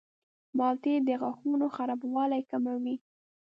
مالټې د غاښونو خرابوالی کموي.